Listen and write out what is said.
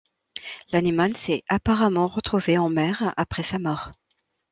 L'animal s'est apparemment retrouvé en mer après sa mort.